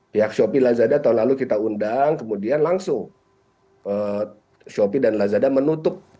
pihak shopee lazada tahun lalu kita undang kemudian langsung shopee dan lazada menutup